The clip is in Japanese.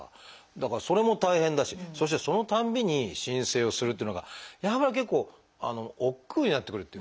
だからそれも大変だしそしてそのたんびに申請をするっていうのがやっぱり結構おっくうになってくるっていうか。